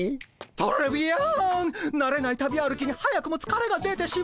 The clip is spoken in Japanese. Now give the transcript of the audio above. トレビアンなれない旅歩きに早くもつかれが出てしまった。